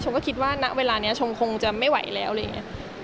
ก็คิดว่าณเวลานี้ชมคงจะไม่ไหวแล้วอะไรอย่างนี้